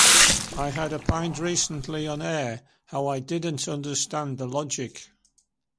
I had opined recently on air how I didn't understand the logic.